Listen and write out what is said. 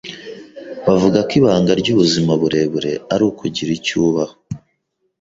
Bavuga ko ibanga ryubuzima burebure ari ukugira icyo ubaho.